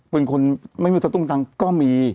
เป็นคนไม่มีวิธีตุกรรมก็มี